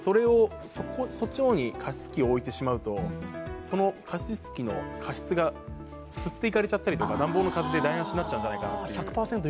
そっちの方に加湿器を置いてしまうと、その加湿器の加湿が吸われて暖房の風で台なしになっちゃうんじゃないかなと。